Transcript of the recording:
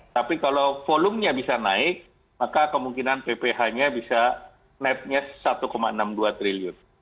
tapi kalau volumenya bisa naik maka kemungkinan pph nya bisa netnya satu enam puluh dua triliun